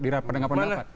di rapat rapat pendapat